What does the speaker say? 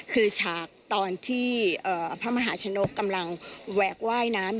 คือฉากตอนที่พระมหาชนกกำลังแหวกว่ายน้ำ